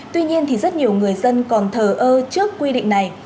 tuy nhiên thì rất nhiều người dân còn thờ ơ trước quy định này